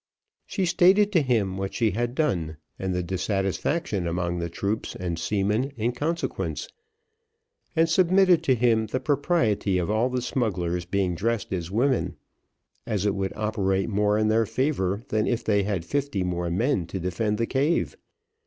She stated to him what she had done, and the dissatisfaction among the troops and seamen in consequence, and submitted to him the propriety of all the smugglers being dressed as women, as it would operate more in their favour than if they had fifty more men to defend the cave.